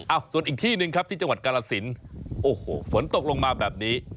ส่วนอีกที่หนึ่งครับที่จังหวัดกาลสินโอ้โหฝนตกลงมาแบบนี้